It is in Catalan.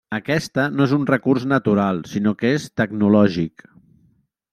Aquesta no és un recurs natural sinó que és tecnològic.